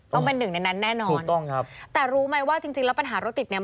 ต้องเป็นหนึ่งในนั้นแน่นอนถูกต้องครับแต่รู้ไหมว่าจริงจริงแล้วปัญหารถติดเนี่ย